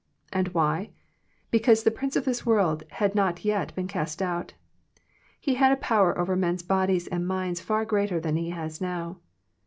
— And why ? Because the '* prince of this world " had LOt yet been cast out. He had a power over men's bodies and minds far greater than he has now.